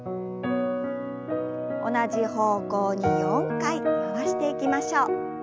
同じ方向に４回回していきましょう。